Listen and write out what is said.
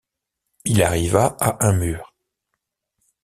Il arriva à un mur.